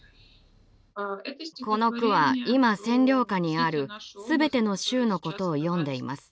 この句は今占領下にあるすべての州のことを詠んでいます。